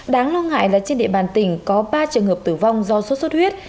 đáng lo ngại là trên địa bàn tỉnh có ba trường hợp tử vong do sốt xuất huyết